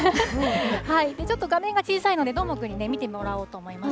ちょっと画面が小さいので、どーもくんに見てもらおうと思います。